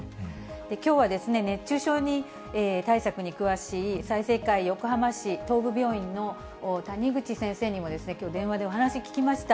きょうは熱中症対策に詳しい済生会横浜市東部病院の谷口先生にきょう、電話でお話聞きました。